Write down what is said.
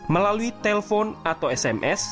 melalui telpon atau sms